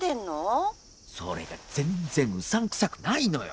それが全然うさんくさくないのよ！